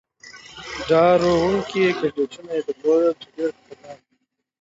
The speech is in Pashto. ډار و ر و نکي کږلېچونه يې درلودل، چې ډېر خطرناک ول.